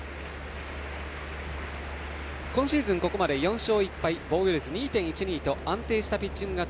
今シーズン、ここまで４勝１敗防御率２．１２と安定したピッチング。